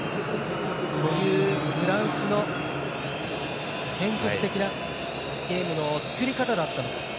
フランスの戦術的なゲームの作り方だったのか。